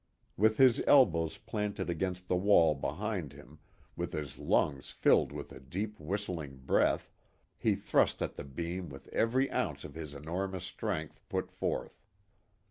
With his elbows planted against the wall behind him, with his lungs filled with a deep whistling breath, he thrust at the beam with every ounce of his enormous strength put forth.